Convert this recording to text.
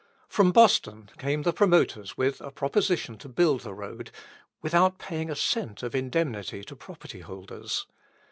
From Boston came the promoters with a proposition to build the road, without paying a cent of indemnity to property holders.